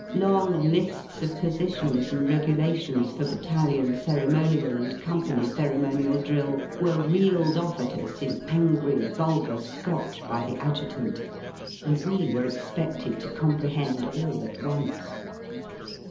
Long li^s of positions and regulations for Battalion ceremonial and Company ceremonial drill were reeled off at us in angry vulgar Scotch by the Adjutant, and we were expedled to compre hend all at once.